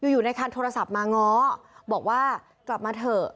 อยู่ในคันโทรศัพท์มาง้อบอกว่ากลับมาเถอะ